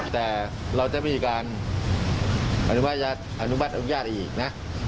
แต่เราจะมีการอนุ้ยรรภ์อนุมัติอนุญาตอีกนะ